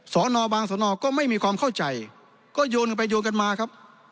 สอนอบางสนก็ไม่มีความเข้าใจก็โยนกันไปโยนกันมาครับ